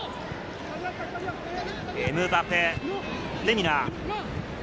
エムバペ、レミナ。